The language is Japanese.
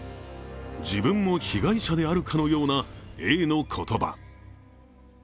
自分も被害者であるかのようなＡの言葉。